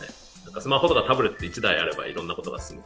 スマホとかタブレット一台あればいろいろなことが済む。